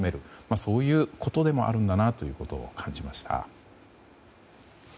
そういうことでもあるんだなということを感じました。